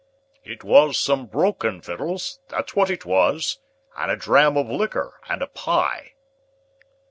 "It was some broken wittles—that's what it was—and a dram of liquor, and a pie."